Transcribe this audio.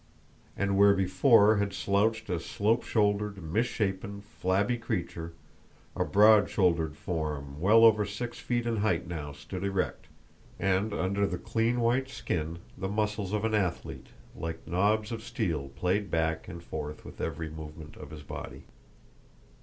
And where before had slouched a slope shouldered, misshapen, flabby creature, a broad shouldered form well over six feet in height now stood erect, and under the clean white skin the muscles of an athlete, like knobs of steel played back and forth with every movement of his body.